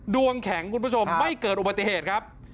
ดวงแข็งคุณผู้ชมไม่เกิดอุบัติเหตุครับ